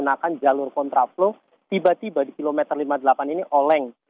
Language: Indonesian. bahwa seluruh korban kesalahan yang meninggal dunia adalah penumpang dan sopir dari minibus grand max